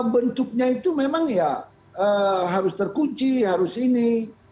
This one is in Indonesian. bentuknya itu memang ya harus terkunci harus ini